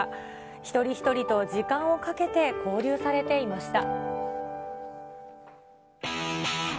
一人一人と時間をかけて交流されていました。